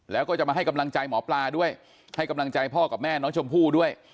แล้วก็จะมาให้กำลังใจหมอปลาด้วยให้กำลังใจพ่อกับแม่น้องชมพู่ด้วย